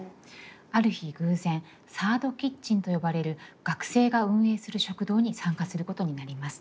ある日偶然サード・キッチンと呼ばれる学生が運営する食堂に参加することになります。